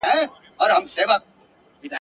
هغه له لوږي په زړو نتلي ..